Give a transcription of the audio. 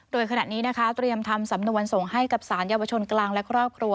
โดยขณะนี้นะคะเตรียมทำสำนวนส่งให้กับสารเยาวชนกลางและครอบครัว